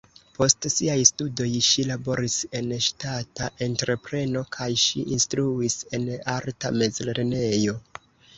Post siaj studoj ŝi laboris en ŝtata entrepreno kaj ŝi instruis en arta mezlernejo.